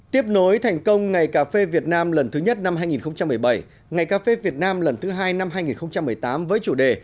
tiếp nối thành công ngày cà phê việt nam lần thứ nhất năm hai nghìn một mươi bảy ngày cà phê việt nam lần thứ hai năm hai nghìn một mươi tám với chủ đề